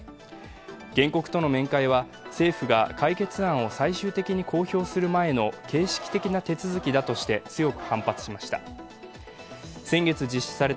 原告との面会は政府が解決案を最終的に公表する前の形式的な手続きだとして強く反発しました。